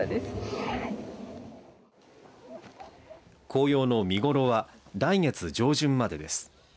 紅葉の見頃は来月上旬までです。